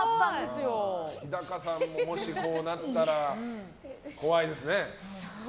日高さんも、もしこうなったら怖いですね。